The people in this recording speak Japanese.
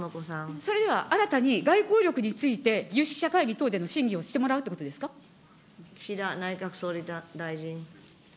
それでは新たに、外交力について、有識者会議等で審議をして岸田内閣総理大臣。